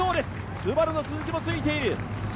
ＳＵＢＡＲＵの鈴木もついている。